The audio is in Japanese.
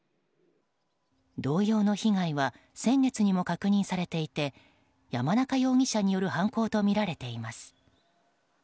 同様の被害は先月にも確認されていて山中容疑者による犯行とみられています。